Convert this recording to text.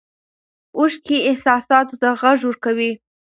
اوښکې احساساتو ته غږ ورکوي.